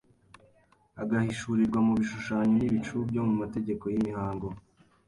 agahishurirwa mu bishushanyo n’ibicucu byo mu mategeko y’imihango,